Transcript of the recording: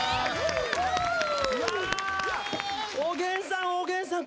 おげんさんおげんさん